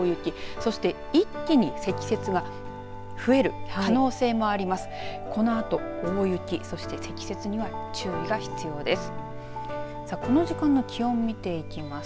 そして一気に積雪が増える可能性もあります。